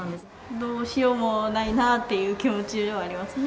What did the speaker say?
どうしようもないなって気持ちはありますね。